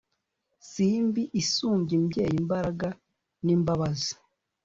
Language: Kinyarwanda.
Simbi isumbya imbyeyi imbaraga n'imbabazi